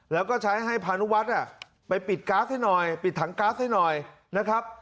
แล้วก็ใช้ให้พานุวัฒน์ไปปิดทั้งก๊าซให้หน่อยนะครับ